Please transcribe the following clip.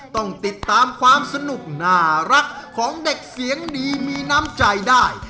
ต้องติดตามความสนุกน่ารักของเด็กเสียงดีมีน้ำใจได้